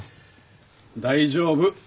大丈夫。